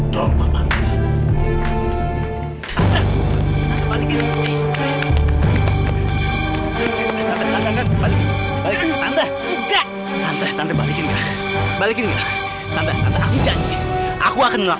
jalannya cepet banget sih